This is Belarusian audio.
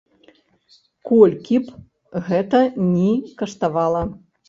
Колькі б гэта ні каштавала.